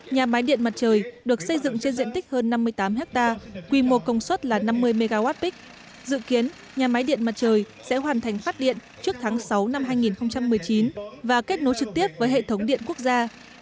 nhà máy điện mặt trời được xây dựng trên diện tích hơn năm mươi tám hectare quy mô công suất là năm mươi mwp dự kiến nhà máy điện mặt trời sẽ hoàn thành phát điện trước tháng sáu năm hai nghìn một mươi chín và kết nối trực tiếp với hệ thống điện quốc gia